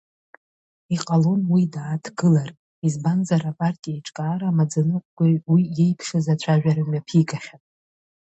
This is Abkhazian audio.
Иҟалон уа дааҭгылар, избанзар апартеиҿкаара амаӡаныҟәгаҩ уи иеиԥшыз ацәажәара мҩаԥигахьан.